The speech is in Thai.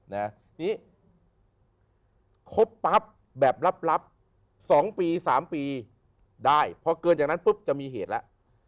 นี่ครบปั๊บแบบลับ๒ปี๓ปีได้พอเกินจากนั้นปุ๊บจะมีเหตุแล้ว